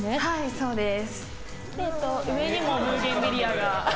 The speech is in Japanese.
そうです。